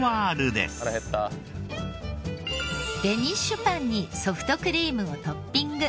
デニッシュパンにソフトクリームをトッピング。